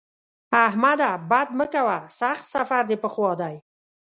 احمده! بد مه کوه؛ سخت سفر دې په خوا دی.